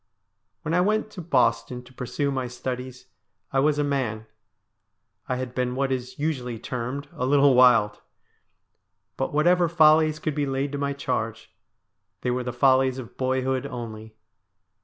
When I went to Boston to pursue my studies I was a man. I had been what is usually termed ' a little wild.' But whatever follies could be laid to my charge, they were the follies of boyhood only.